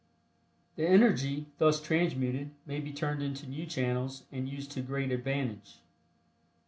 The energy thus transmuted may be turned into new channels and used to great advantage.